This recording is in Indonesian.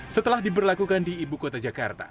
setelah diberlakukan di ibu kota jakarta